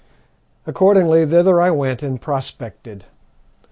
Accordingly thither I went and prospected.